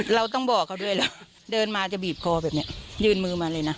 เราต้องบอกเขาด้วยล่ะเดินมาจะบีบคอแบบนี้ยืนมือมาเลยนะ